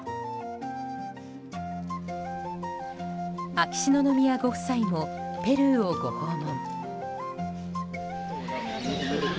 秋篠宮ご夫妻もペルーをご訪問。